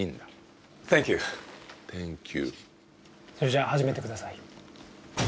それじゃあ始めてください。